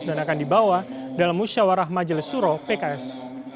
dan akan dibawa dalam usiawarah majelis suro pks